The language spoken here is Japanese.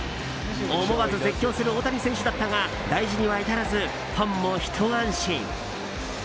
思わず絶叫する大谷選手だったが大事には至らずファンもひと安心。